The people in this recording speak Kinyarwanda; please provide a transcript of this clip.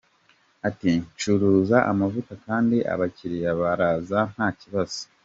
Ati “Ncuruza amavuta kandi abakiriya baraza nta kibazo.